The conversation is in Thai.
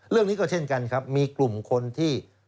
เรื่องนี้ก็เช่นกันครับมีกลุ่มคนที่